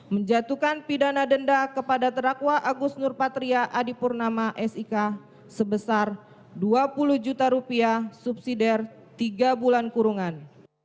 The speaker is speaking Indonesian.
tiga menjatuhkan pidana denda kepada terakwa agus nurpatriadi purnama sik sebesar rp dua puluh juta subsidar tiga bulan kurungan